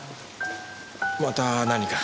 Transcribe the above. また何か？